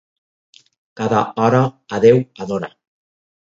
Cada hora, a Déu adora.